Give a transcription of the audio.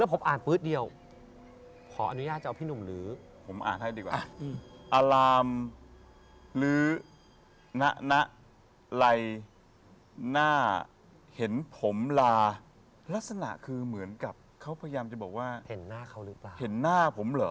เห็นหน้าเขาหรือเปล่า